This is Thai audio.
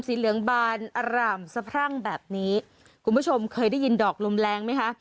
เหลืองบานอร่ามสะพรั่งแบบนี้คุณผู้ชมเคยได้ยินดอกลมแรงไหมคะ